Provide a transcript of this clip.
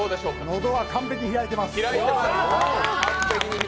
喉は完璧に開いてます。